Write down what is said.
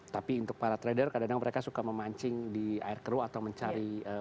tapi untuk para trader kadang kadang mereka suka memancing di air keruh atau mencari